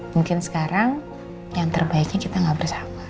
mungkin sekarang yang terbaiknya kita gak bersama